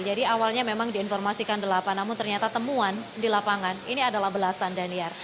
jadi awalnya memang diinformasikan delapan namun ternyata temuan di lapangan ini adalah belasan daniar